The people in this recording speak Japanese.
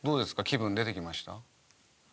気分出てきました？